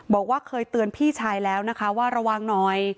บอกว่าเคยเตือนพี่ชายแล้วนะคะว่าระวังหน่อย